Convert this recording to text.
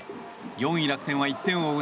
４位楽天は１点を追う